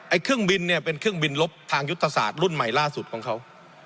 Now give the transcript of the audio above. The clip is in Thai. เครื่องบินเนี่ยเป็นเครื่องบินลบทางยุทธศาสตร์รุ่นใหม่ล่าสุดของเขา